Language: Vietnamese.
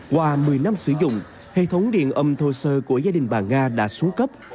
qua một mươi năm sử dụng hệ thống điện âm thô sơ của gia đình bà nga đã xuống cấp